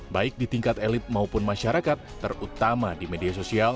baik di tingkat elit maupun masyarakat terutama di media sosial